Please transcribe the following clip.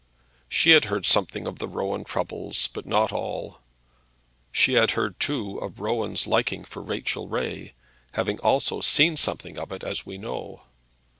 She had heard something of the Rowan troubles, but not all. She had heard, too, of Rowan's liking for Rachel Ray, having also seen something of it, as we know.